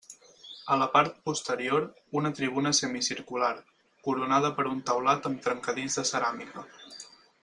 A la part posterior, una tribuna semicircular, coronada per un taulat amb trencadís de ceràmica.